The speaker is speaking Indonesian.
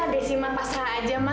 desi mama pasrah aja ma